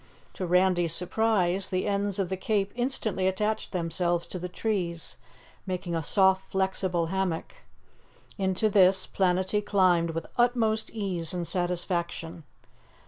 To Randy's surprise the ends of the cape instantly attached themselves to the trees, making a soft flexible hammock. Into this Planetty climbed with utmost ease and satisfaction.